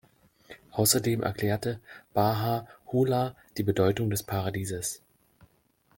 Außerdem erklärt Baha’u’llah die Bedeutung des Paradieses.